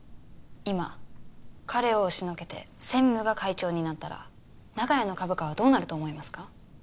今彼を押しのけて専務が会長になったら長屋の株価はどうなると思いますか？